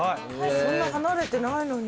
そんな離れてないのに。